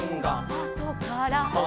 「あとから」